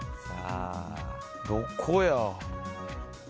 どこや？